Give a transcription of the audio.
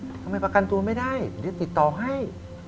ทำไมประกันตัวไม่ได้เรียกติดต่อให้